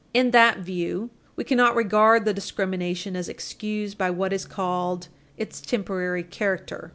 In that view, we cannot regard the discrimination as excused by what is called its temporary character.